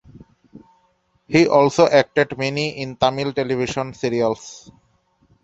He also acted many in Tamil television serials.